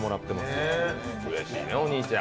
うれしいね、お兄ちゃん。